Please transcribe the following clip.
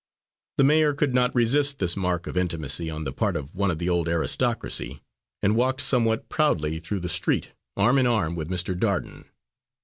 The mayor could not resist this mark of intimacy on the part of one of the old aristocracy, and walked somewhat proudly through the street arm in arm with Mr. Darden.